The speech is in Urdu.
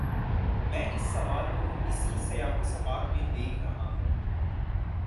میں اس سوال کو اسی سیاق و سباق میں دیکھ رہا ہوں۔